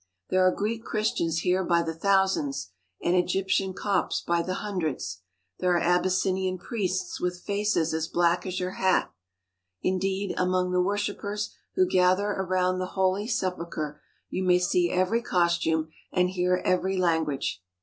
There are Greek Christians here by the thousands and Egyptian Copts by the hundreds. There are Abyssinian priests with faces as black as your hat. Indeed, among the worshippers who gather around the Holy Sepulchre you may see every costume and hear every language.